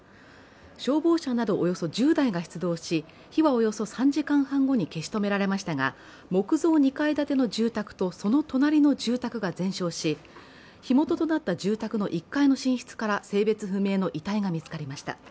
消防車などおよそ１０台が出動し火はおよそ３時間半後に消し止められましたが木造２階建ての住宅とその隣の住宅が全焼し、火元となった住宅の１階の寝室から性別不明の遺体が見つかりました。